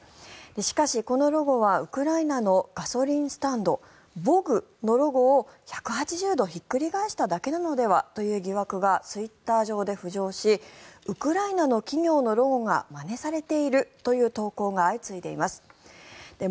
しかし、このロゴはウクライナのガソリンスタンドヴォグのロゴを１８０度ひっくり返しただけなのではという疑惑がツイッター上で浮上しウクライナの企業のロゴがまねされているという投稿が相次いでいます。